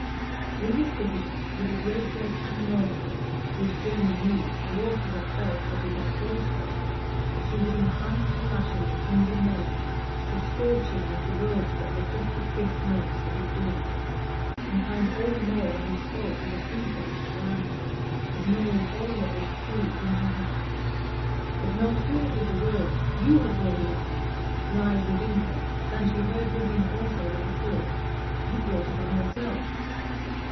In this position, with a great dread hanging over her, which Jermyn knew, and ought to have felt that he had caused her, she was inclined to lash him with indignation, to scorch him with the words that were just the fit names for his doings inclined all the more when he spoke with an insolent blandness, ignoring all that was truly in her heart. But no sooner did the words "You have brought it on me" rise within her than she heard within also the retort, "You brought it on yourself."